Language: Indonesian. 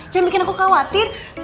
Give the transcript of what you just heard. jangan bikin aku khawatir